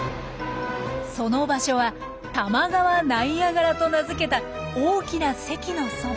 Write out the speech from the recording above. その場所は「多摩川ナイアガラ」と名付けた大きな堰のそば。